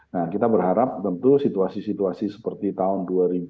nah kita berharap tentu situasi situasi seperti tahun dua ribu dua puluh